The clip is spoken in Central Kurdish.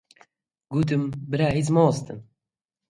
گوتم: برا هیچ مەوەستن!